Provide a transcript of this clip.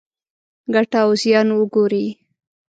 ګټه او زیان وګورئ.